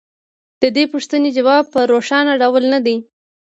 د دې پوښتنې ځواب په روښانه ډول نه دی